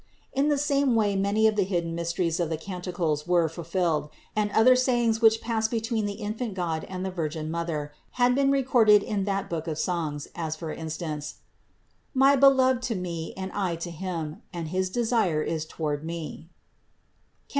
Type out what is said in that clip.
In the same way many of the hidden mysteries of the Canticles were fulfilled; and other sayings which passed between the infant God and the Virgin Mother had been recorded in that book of songs, as for instance : "My Beloved to me, and I to Him, and his desire is toward me" (Cant.